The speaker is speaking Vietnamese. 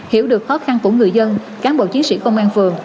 hiểu được khó khăn của người dân cán bộ chiến sĩ công an phường